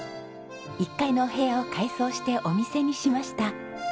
１階のお部屋を改装してお店にしました。